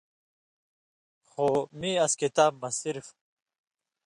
خو میں اس کتاب مہ صرف